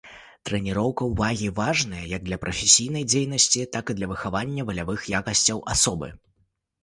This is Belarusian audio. Трэніроўка ўвагі важная як для прафесійнай дзейнасці, так і для выхавання валявых якасцей асобы.